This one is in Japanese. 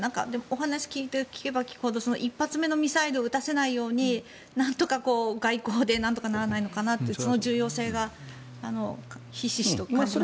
お話を聞けば聞くほど１発目のミサイルを撃たせないようになんとか外交でなんとかならないのかなってその重要性がひしひしと感じました。